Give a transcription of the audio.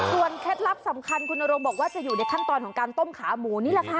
เคล็ดลับสำคัญคุณนโรงบอกว่าจะอยู่ในขั้นตอนของการต้มขาหมูนี่แหละค่ะ